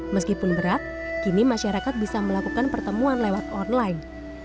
meskipun berat kini masyarakat bisa melakukan pertemuan lewat online